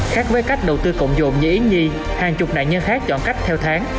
khác với cách đầu tư cộng dồn như yến nhi hàng chục nạn nhân khác chọn cách theo tháng